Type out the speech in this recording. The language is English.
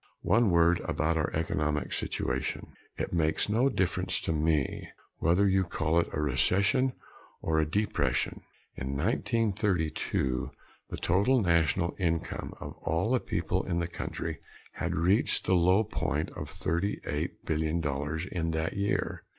One word about our economic situation. It makes no difference to me whether you call it a recession or a depression. In 1932 the total national income of all the people in the country had reached the low point of thirty eight billion dollars in that year.